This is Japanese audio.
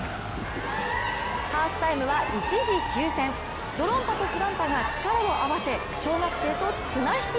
ハーフタイムは一時休戦、ドロンパとふろん太が力を合わせ小学生と綱引き！